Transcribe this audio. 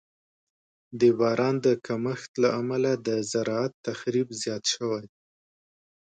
د باران د کمښت له امله د زراعت تخریب زیات شوی.